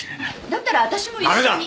だったら私も一緒に。